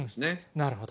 なるほど。